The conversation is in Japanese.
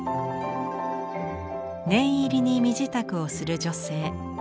念入りに身支度をする女性。